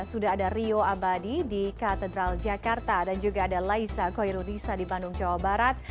sudah ada rio abadi di katedral jakarta dan juga ada laisa koiru risa di bandung jawa barat